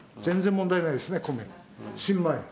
全然問題ないですね米。